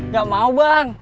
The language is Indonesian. gak mau bang